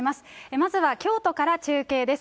まずは京都から中継です。